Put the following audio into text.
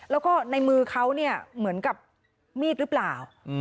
แล้วก็ในมือเขาเหมือนกับมีดรึเปล่า